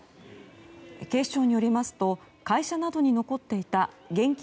警視庁によりますと会社などに残っていた現金